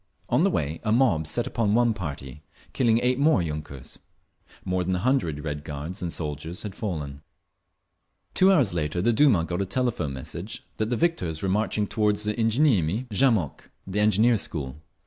On the way a mob set upon one party, killing eight more yunkers…. More than a hundred Red Guards and soldiers had fallen…. Two hours later the Duma got a telephone message that the victors were marching toward the Injinierny Zamok—the Engineers' school.